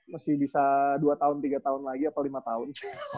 masih bisa dua tahun tiga tahun lagi atau lima tahun